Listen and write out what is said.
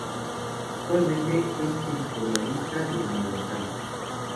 Actualmente es editorialista de "El Universal".